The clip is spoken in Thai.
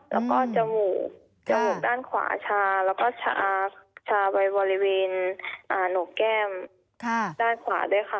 แล้วก็จมูกจมูกด้านขวาชาแล้วก็ชาไปบริเวณโหนกแก้มด้านขวาด้วยค่ะ